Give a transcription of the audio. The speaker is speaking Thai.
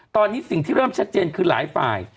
ตอนนี้สิ่งที่เริ่มชัดเจนคือหลายฝ่าย